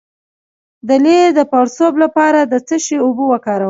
د لۍ د پړسوب لپاره د څه شي اوبه وکاروم؟